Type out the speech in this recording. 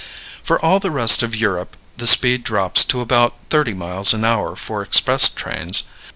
For all the rest of Europe the speed drops to about 30 miles an hour for express trains.